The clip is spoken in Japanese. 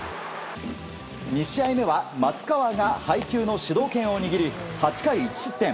２試合目は松川が配球の主導権を握り８回、１失点。